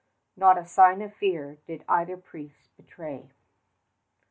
Not a sign of fear did either priest betray.